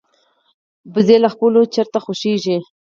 وزې له خپلو چرته خوښيږي